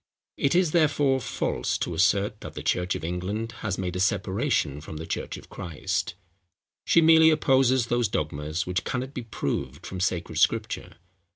It is, therefore, false to assert, that the church of England has made a separation from the church of Christ. She merely opposes those dogmas, which cannot be proved from sacred scripture.